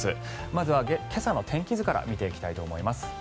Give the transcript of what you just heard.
まずは今朝の天気図から見ていきたいと思います。